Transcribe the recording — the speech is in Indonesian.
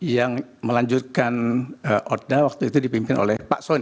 itu kurang lebih dari lima ratus elektron